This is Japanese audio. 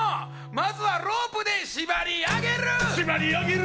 まずはロープで縛り上げる縛り上げる！